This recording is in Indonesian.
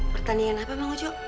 pertandingan apa pak ngujo